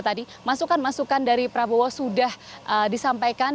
tadi masukan masukan dari prabowo sudah disampaikan